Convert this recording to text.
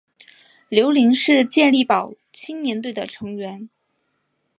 刘麟是健力宝青年队的成员。